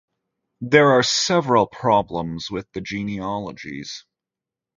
There are several problems with the genealogies.